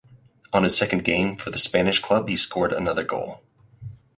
On his second game for the Spanish club he scored another goal.